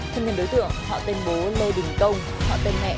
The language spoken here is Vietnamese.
thông tin đối tượng họ tên bố lô đình công họ tên mẹ đặng thị trước